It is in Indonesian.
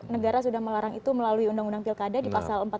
negara sudah melarang itu melalui undang undang pilkada di pasal empat puluh